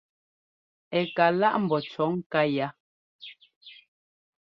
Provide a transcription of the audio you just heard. Ɛ ka láʼ ḿbó cʉ̈ŋká yá.